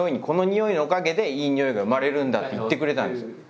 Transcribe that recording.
「このにおいのおかげでいいにおいが生まれるんだ」って言ってくれたんですよ。